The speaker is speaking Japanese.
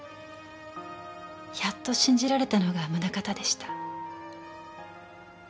やっと信じられたのが宗形でした。